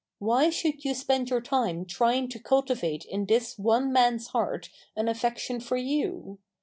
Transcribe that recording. Why should you spend your time trying to cultivate in this one man's heart an affection for you?